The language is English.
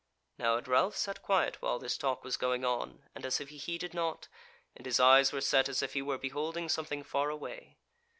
Now had Ralph sat quiet while this talk was going on, and as if he heeded not, and his eyes were set as if he were beholding something far away.